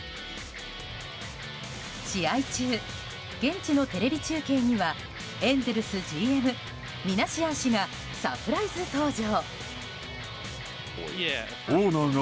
試合中、現地のテレビ中継にはエンゼルスＧＭミナシアン氏がサプライズ登場。